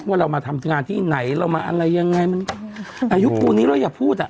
ว่าเรามาทำงานที่ไหนเรามาอะไรยังไงมันอายุปูนนี้เราอย่าพูดอ่ะ